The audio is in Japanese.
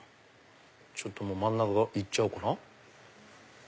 ちょっと真ん中からいっちゃおうかな。